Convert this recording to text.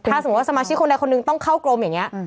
ถ้าสมมุติว่าสมาชิกคนใดคนหนึ่งต้องเข้ากรมอย่างนี้